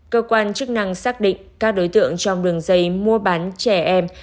cơ quan chức năng xác định các đối tượng trong đường dây mua bán trẻ em